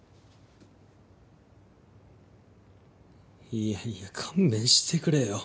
いやいや勘弁してくれよ！